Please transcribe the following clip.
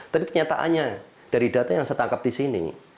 tapi kenyataannya dari data yang setangkap di sini